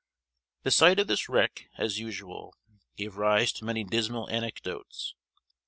The sight of this wreck, as usual, gave rise to many dismal anecdotes.